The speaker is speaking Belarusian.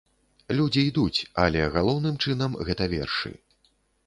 Людзі ідуць, але галоўным чынам, гэта вершы.